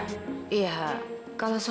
kalau soalnya rizky dia gak mungkin papahnya rizky